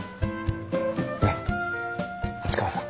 ねっ市川さん。